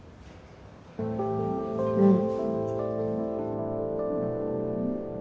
うん。